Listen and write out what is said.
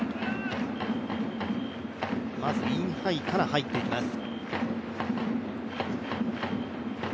まずインハイから入っていきます。